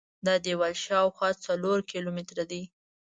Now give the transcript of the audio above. دا دیوال شاوخوا څلور کیلومتره دی.